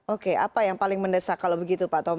oke apa yang paling mendesak kalau begitu pak tomm